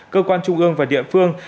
cơ quan trung ương và địa phương